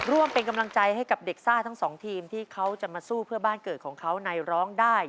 ร่วมเป็นกำลังใจให้กับเด็กซ่าทั้งสองทีมที่เขาจะมาสู้เพื่อบ้านเกิดของเขาในร้องได้